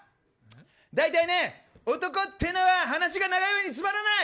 だいたいね、男って言うのは話が長い上につまらない。